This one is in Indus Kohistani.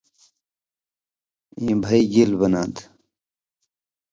اېں بھی گېل بناں تھہ: